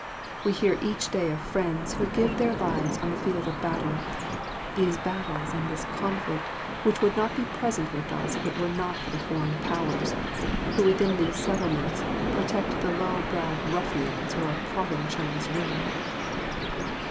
We hear each day of friends who give their lives on the field of battle, these battles and this conflict which would not be present with us were it not for the foreign powers, who within these settlements, protect the low browed ruffians who are plotting China's ruin.